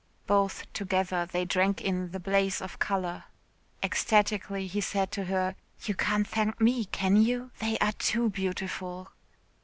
Both together they drank in the blaze of colour. Ecstatically he said to her, "You can't thank me, can you? They are too beautiful."